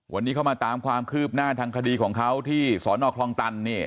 วันนี้เขามาตามความคืบหน้าทางคดีของเขาที่สอนอคลองตันเนี่ย